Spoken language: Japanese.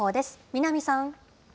南さん。